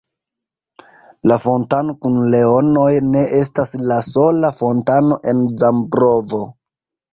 La fontano kun leonoj ne estas la sola fontano en Zambrovo.